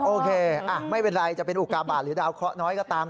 โอเคไม่เป็นไรจะเป็นอุกาบาทหรือดาวเคาะน้อยก็ตาม